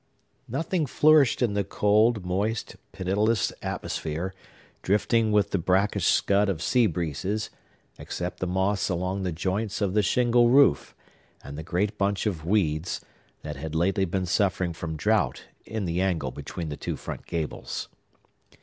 Nothing flourished in the cold, moist, pitiless atmosphere, drifting with the brackish scud of sea breezes, except the moss along the joints of the shingle roof, and the great bunch of weeds, that had lately been suffering from drought, in the angle between the two front gables.